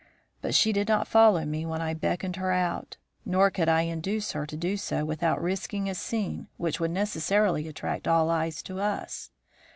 But she did not follow me when I beckoned her out; nor could I induce her to do so without risking a scene which would necessarily attract all eyes to us.